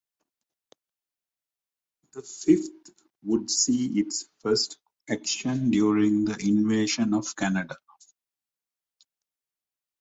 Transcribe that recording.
The Fifth would see its first action during the Invasion of Canada.